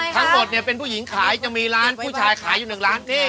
ทั้งหมดเนี่ยเป็นผู้หญิงขายจะมีร้านผู้ชายขายอยู่๑ร้านที่